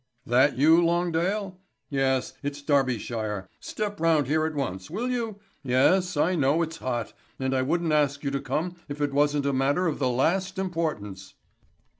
That you, Longdale? Yes, it's Darbyshire. Step round here at once, will you? Yes, I know it's hot, and I wouldn't ask you to come if it wasn't a matter of the last importance."